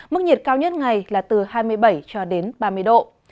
mức nhiệt cao nhất ngày là từ hai mươi bảy cho đến ba mươi độ